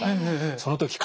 その時体